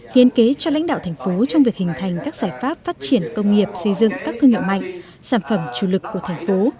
hiến kế cho lãnh đạo thành phố trong việc hình thành các giải pháp phát triển công nghiệp xây dựng các thương hiệu mạnh sản phẩm chủ lực của thành phố